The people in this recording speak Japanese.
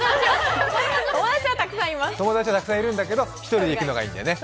友達はたくさんいても１人で行くのがいいんだよね。